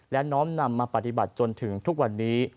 และน้อมนำมาปฏิบัติจนถึงทุกวันนี้